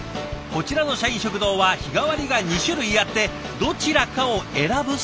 こちらの社員食堂は日替わりが２種類あってどちらかを選ぶスタイル。